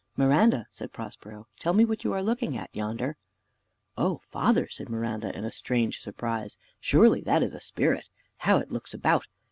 "Miranda," said Prospero, "tell me what you are looking at yonder." "O father," said Miranda, in a strange surprise, "surely that is a spirit. How it looks about!